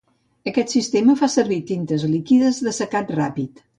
Aquest sistema fa servir tintes líquides d'assecat ràpid.